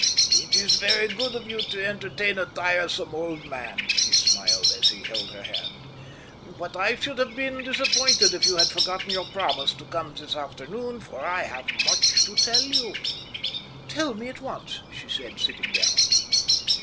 "It is very good of you to entertain a tiresome old man," he smiled, as he held her hand. "But I should have been disappointed if you had forgotten your promise to come this afternoon, for I have much to tell you." "Tell me at once," she said, sitting down.